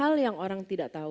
hal yang orang tidak tahu